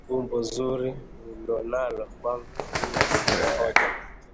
Umbo zuri ulonalo, kwangu hiyo siyo hoja